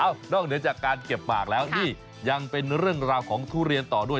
นอกเหนือจากการเก็บปากแล้วนี่ยังเป็นเรื่องราวของทุเรียนต่อด้วย